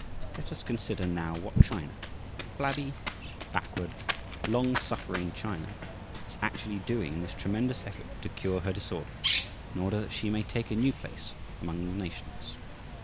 Let us consider now what China, flabby, backward, long suffering China, is actually doing in this tremendous effort to cure her disorder in order that she may take a new place among the nations.